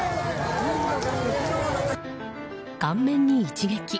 顔面に一撃。